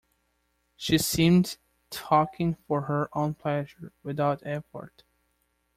She seemed talking for her own pleasure, without effort.